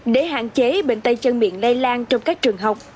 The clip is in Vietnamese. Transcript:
để hạn chế bệnh tay chân miệng lây lan trong các trường học